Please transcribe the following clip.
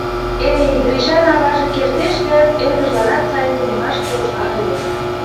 — Эй, Гришан аваже кертеш гын, эргыжланат сайын тунемаш полша ыле.